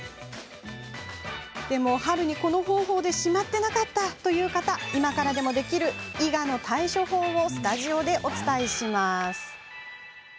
春にこの方法でしまっていなかったという方今からでもできるイガの対処法をスタジオでお伝えします！